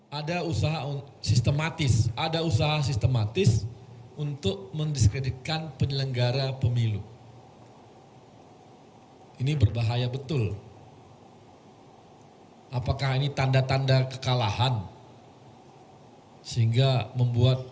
pemilu umum yang sudah dipercayai proses pemilu umum yang sudah dipercayai pasangan nomor urut satu